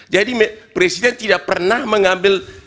jadi presiden tidak pernah mengambil